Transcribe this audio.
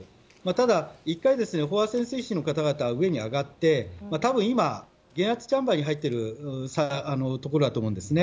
ただ、１回飽和潜水士の方々は上に上がって多分今、減圧スタンバイに入ってるところだと思うんですね。